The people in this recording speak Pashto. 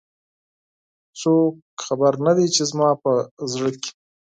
څوک خبر نه د ی، چې زما په زړه کې